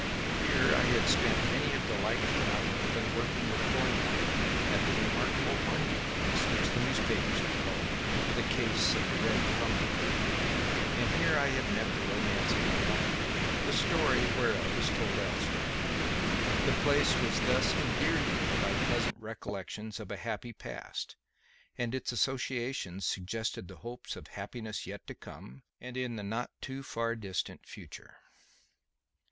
Here had I spent many a delightful hour when working with Thorndyke at the remarkable Hornby case, which the newspapers had called "The Case of the Red Thumb Mark"; and here had I met the romance of my life, the story whereof is told elsewhere. The place was thus endeared to me by pleasant recollections of a happy past, and its associations suggested hopes of happiness yet to come and in the not too far distant future.